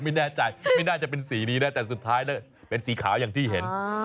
ไม่แน่ใจไม่น่าจะเป็นสีนี้นะแต่สุดท้ายแล้วเป็นสีขาวอย่างที่เห็น